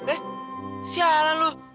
eh siaran lu